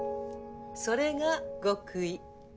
それが極意。